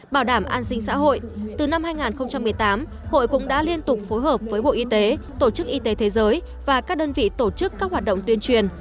bảo đảm an sinh xã hội từ năm hai nghìn một mươi tám hội cũng đã liên tục phối hợp với bộ y tế tổ chức y tế thế giới và các đơn vị tổ chức các hoạt động tuyên truyền